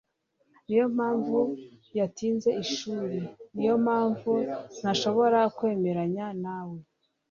Niyo mpamvu yatinze ishuri. Niyo mpamvu ntashobora kwemeranya nawe